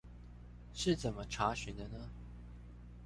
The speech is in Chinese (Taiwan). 是怎麼查詢的呢？